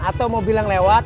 atau mobil yang lewat